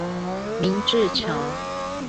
明治橋